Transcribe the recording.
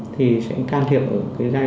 thì sẽ can thiệp ở gia đình